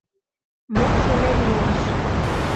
Мом шонен муаш?